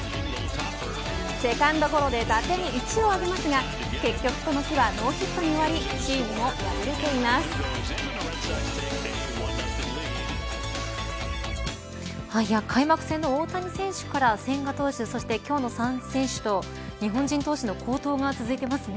セカンドゴロで打点１を挙げますが結局この日はノーヒットに終わり開幕戦の大谷選手から千賀投手、そして今日の３選手と日本人投手の好投が続いていますね。